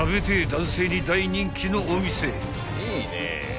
男性に大人気のお店］